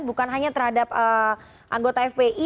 bukan hanya terhadap anggota fpi